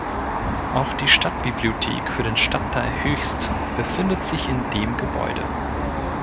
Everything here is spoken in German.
Auch die Stadtbibliothek für den Stadtteil Höchst befindet sich in dem Gebäude.